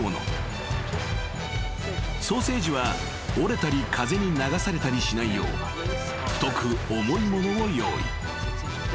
［ソーセージは折れたり風に流されたりしないよう太く重いものを用意］